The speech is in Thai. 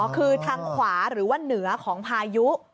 คือทางขวาหรือว่าเหนือของพายุ